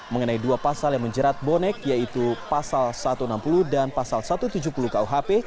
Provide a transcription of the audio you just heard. mengenai dua pasal yang menjerat bonek yaitu pasal satu ratus enam puluh dan pasal satu ratus tujuh puluh kuhp